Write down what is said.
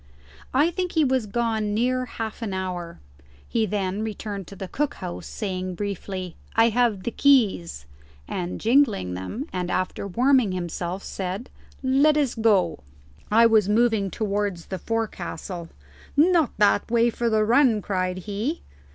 I think he was gone near half an hour; he then returned to the cook house, saying briefly, "I have the keys," and jingling them, and after warming himself, said, "Let us go." I was moving towards the forecastle. "Not that way for the run," cried he.